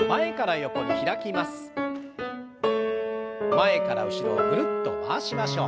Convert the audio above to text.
前から後ろをぐるっと回しましょう。